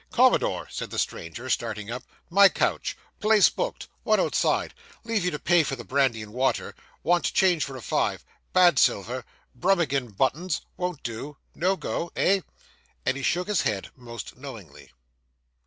'Commodore!' said the stranger, starting up, 'my coach place booked, one outside leave you to pay for the brandy and water, want change for a five, bad silver Brummagem buttons won't do no go eh?' and he shook his head most knowingly.